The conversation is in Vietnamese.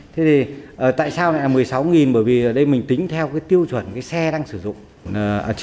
thế thì tại sao lại là một mươi sáu bởi vì ở đây mình tính theo cái tiêu chuẩn cái xe đang sử dụng